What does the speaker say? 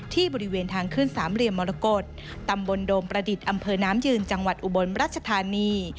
บริเวณทางขึ้นสามเหลี่ยมมรกฏตำบลโดมประดิษฐ์อำเภอน้ำยืนจังหวัดอุบลรัชธานี